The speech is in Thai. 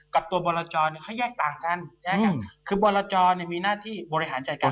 กับตัวบรรจอเนี่ยเขาแยกต่างกันคือบรรจอเนี่ยมีหน้าที่บริหารจัดการของคน